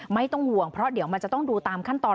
ไม่ต้องห่วงเพราะเดี๋ยวมันจะต้องดูตามขั้นตอน